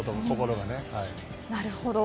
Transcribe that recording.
なるほど。